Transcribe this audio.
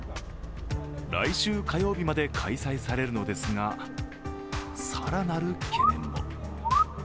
来週火曜日まで開催されるのですが、更なる懸念も。